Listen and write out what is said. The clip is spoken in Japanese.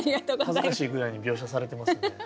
恥ずかしいぐらいに描写されてますね。